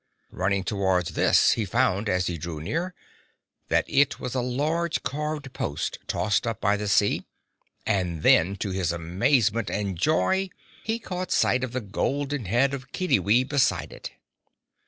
Running towards this, he found, as he drew near, that it was a large carved post tossed up by the sea; and then, to his amazement and joy, he caught sight of the golden head of Kiddiwee beside it.